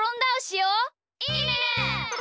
いいね！